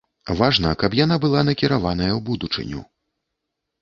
Важна, каб яна была накіраваная ў будучыню.